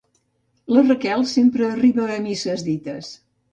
La Raquel sempre arriba a misses dites.